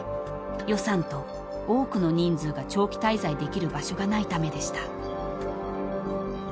予算と多くの人数が長期滞在できる場所がないためでした］